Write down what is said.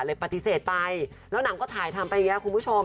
ปฏิเสธไปแล้วหนังก็ถ่ายทำไปอย่างนี้คุณผู้ชม